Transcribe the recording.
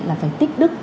là phải tích đức